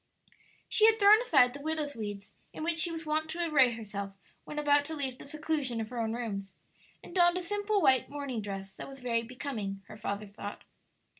She had thrown aside the widow's weeds in which she was wont to array herself when about to leave the seclusion of her own rooms, and donned a simple white morning dress that was very becoming, her father thought.